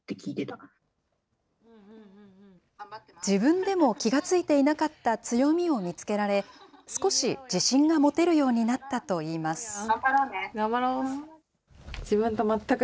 自分でも気が付いていなかった強みを見つけられ、少し自信が持てるようになったといいます。